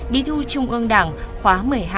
bi thư trung ương đảng khóa một mươi hai